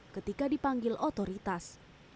ketika dipanggil otoritas